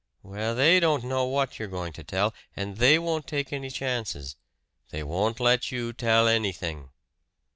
"Well, they don't know what you're going to tell, and they won't take any chances. They won't let you tell anything."